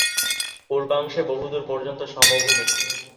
পূর্বাংশে বহুদূর পর্যন্ত সমভূমি।